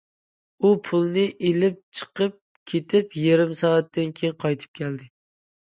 ئۇ پۇلنى ئېلىپ چىقىپ كېتىپ يېرىم سائەتتىن كېيىن قايتىپ كەلدى.